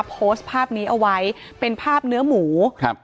โพสต์ภาพนี้เอาไว้เป็นภาพเนื้อหมูครับ